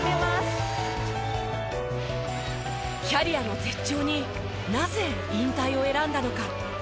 キャリアの絶頂になぜ引退を選んだのか？